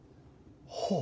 ほう。